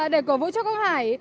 để cổ vũ cho quang hải